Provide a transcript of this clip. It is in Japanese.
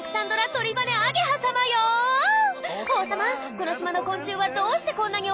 この島の昆虫はどうしてこんなに大きいの？